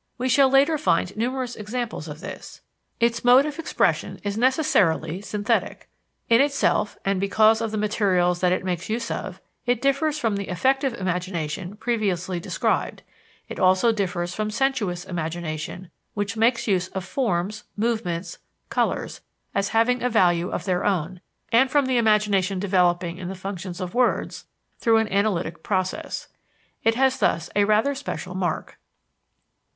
We shall later find numerous examples of this. Its mode of expression is necessarily synthetic. In itself, and because of the materials that it makes use of, it differs from the affective imagination previously described; it also differs from sensuous imagination, which makes use of forms, movements, colors, as having a value of their own; and from the imagination developing in the functions of words, through an analytic process. It has thus a rather special mark.